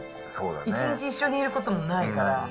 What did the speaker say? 一日一緒にいることもないから。